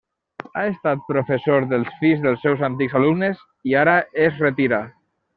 Ha estat professor dels fills dels seus antics alumnes, i ara es retira.